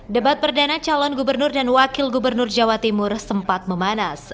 debat perdana calon gubernur dan wakil gubernur jawa timur sempat memanas